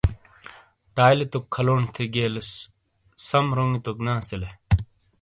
ٹائیلے توک کھَلونڈ تھے گیئلیس سم رونگی توک نے اَسِیلے۔